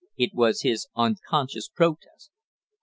It was his unconscious protest.